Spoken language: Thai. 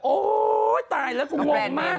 โอ๊ยตายแล้วก็งงมาก